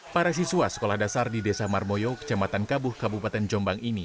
para siswa sekolah dasar di desa marmoyo kecamatan kabuh kabupaten jombang ini